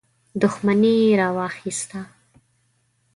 دښمني راواخیسته.